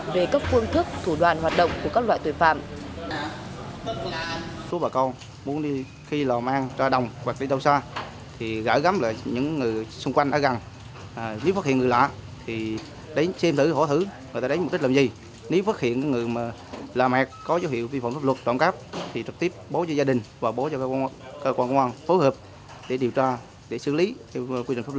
về các phương thức thủ đoạn hoạt động của các loại tội phạm